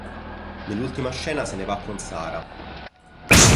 Nell'ultima scena se ne va con Sarah.